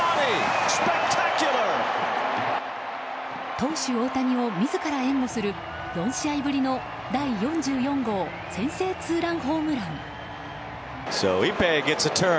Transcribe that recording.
投手・大谷を自ら援護する４試合ぶりの第４４号先制ツーランホームラン。